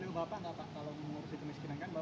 kalau mengurusi jenis kinan kan